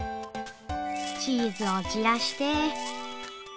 チーズを散らして。